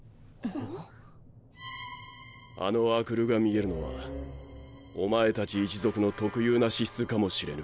あの阿久留が見えるのはおまえ達一族の特有な資質かもしれぬ。